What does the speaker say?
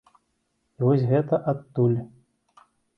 І вось гэта адтуль.